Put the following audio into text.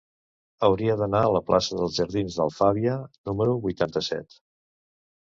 Hauria d'anar a la plaça dels Jardins d'Alfàbia número vuitanta-set.